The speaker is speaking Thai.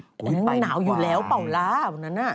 อุ๊ยไปดีกว่าอันนั้นหนาวอยู่แล้วเป๋าล้า